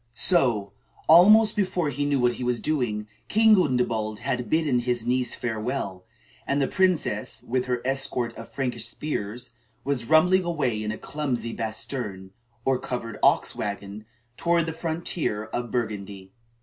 So, almost before he knew what he was doing, King Gundebald had bidden his niece farewell; and the princess, with her escort of Frankish spears, was rumbling away in a clumsy basterne, or covered ox wagon, toward the frontier of Burgundy.